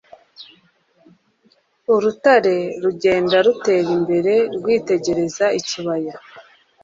urutare rugenda rutera imbere rwitegereza ikibaya